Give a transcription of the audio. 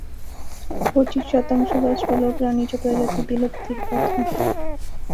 পঁচিশ শতাংশ গাছপালা এবং প্রাণীজ প্রজাতি বিলুপ্তির পথে।